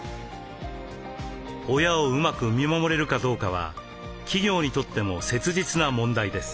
親をうまく見守れるかどうかは企業にとっても切実な問題です。